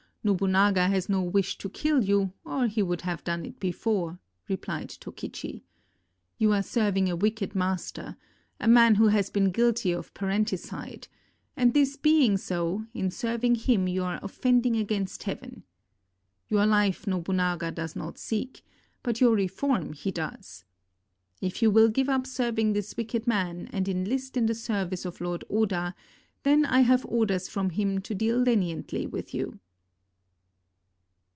"Nobunaga has no wish to kill you, or he would have done it before," replied Tokichi. "You are serving a wicked master — a man who has been guilty of parenti cide; and this being so, in serving him you are offending 340 LONG SPEARS OR SHORT SPEARS against Heaven. Your life Nobunaga does not seek, but your reform he does. If you will give up serving this wicked man and enlist in the service of Lord Oda, then I have orders from him to deal leniently with you."